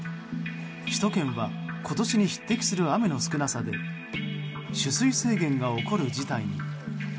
首都圏は今年に匹敵する雨の少なさで取水制限が起こる事態に。